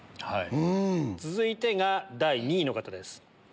続いてが第２位の方です。